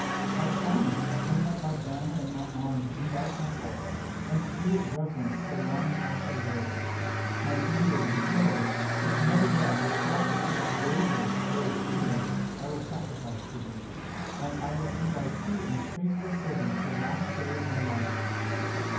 I promise to hang up my banner and my arms in thy temple and to do it reverence so long as I shall live. My beard and hair, which never yet have felt the touch of razor or of shears, I will sacrifice to thee, and I will be thy true and faithful servant to the last day of my life."